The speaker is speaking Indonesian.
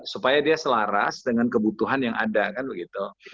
supaya dia selaras dengan kebutuhan yang ada kan begitu